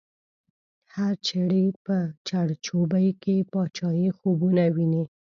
هر چړی په چړچوبۍ کی، باچایې خوبونه وینې